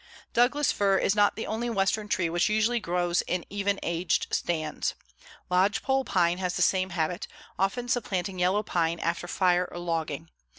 Douglas fir is not the only Western tree which usually grows in even aged stands. Lodgepole pine has the same habit, often supplanting yellow pine after fire or logging.